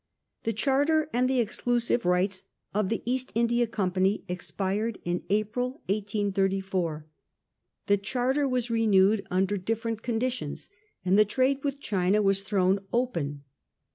The charter and the exclu sive rights of the East India Company expired in April 1834 ; the charter was renewed under different conditions, and the trade with China was thrown open.